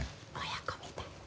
親子みたい。